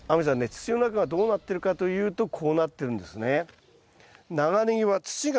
土の中がどうなってるかというとこうなってるんですね。